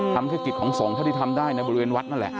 ทำแค่กิจของสงฆ์เท่าที่ทำได้ในบริเวณวัดนั่นแหละ